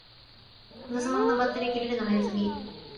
このスマホのバッテリー切れるの早すぎ